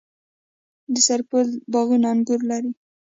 د سرپل باغونه انګور لري.